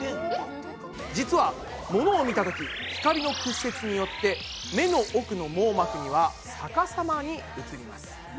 実はモノを見たとき光の屈折によって目の奥の網膜には逆さまに映ります。